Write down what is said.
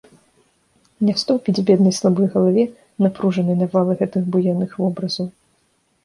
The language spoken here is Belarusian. Не стоўпіць беднай слабой галаве напружнай навалы гэтых буяных вобразаў.